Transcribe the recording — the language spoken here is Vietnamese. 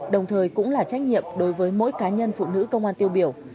đồng thời cũng là trách nhiệm đối với mỗi cá nhân phụ nữ công an tiêu biểu